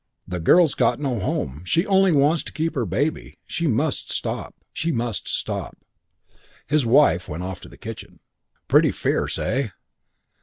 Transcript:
The girl's got no home. She only wants to keep her baby. She must stop.' "His wife went off to the kitchen. "Pretty fierce, eh?